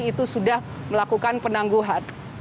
itu sudah melakukan penangguhan